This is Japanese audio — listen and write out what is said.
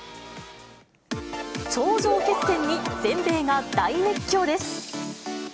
頂上決戦に全米が大熱狂です。